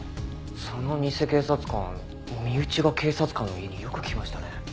その偽警察官身内が警察官の家によく来ましたね。